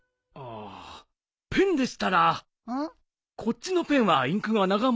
ああペンでしたらこっちのペンはインクが長持ちしますよ。